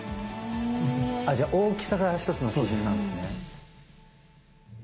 じゃあ大きさが１つの基準なんですね。